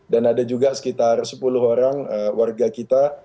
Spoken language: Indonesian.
dan ada juga sekitar sepuluh orang warga kita